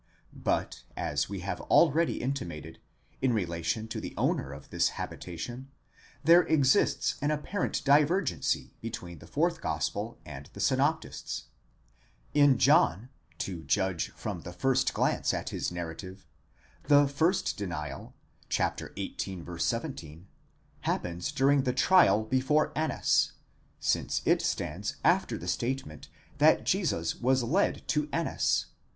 But, as we have already intimated, in relation to the owner of this habitation, there exists an apparent divergency between the fourth gospel and the synoptists. In John, to judge from the first glance at his narrative, the first denial (xviii. 17) happens during the trial before Annas, since it stands after the statement that Jesus was led to Annas (v.